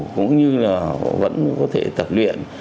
cũng như là vẫn có thể tập luyện